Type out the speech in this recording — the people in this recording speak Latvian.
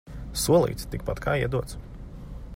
Solīts – tikpat kā iedots.